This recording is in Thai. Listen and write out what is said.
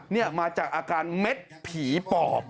นี่มาจากอาการเม็ดผีปอบ